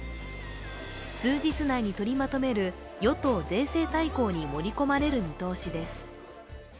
数日内にとりまとめる与党税制大綱に盛り込まれる見通しです。